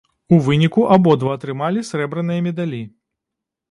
У выніку абодва атрымалі срэбраныя медалі.